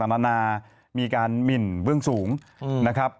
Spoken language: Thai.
ทางแฟนสาวก็พาคุณแม่ลงจากสอพอ